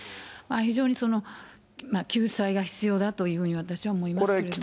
非常に救済が必要だというふうに私は思いますけれども。